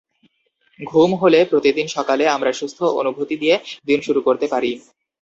ঘুম হলে প্রতিদিন সকালে আমরা সুস্থ অনুভূতি দিয়ে দিন শুরু করতে পারি।